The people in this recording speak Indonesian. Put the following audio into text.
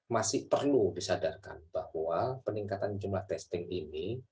masih perlu disadarkan bahwa peningkatan jumlah testing ini